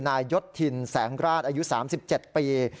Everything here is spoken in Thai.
ยศทินแสงราชอายุ๓๗ปี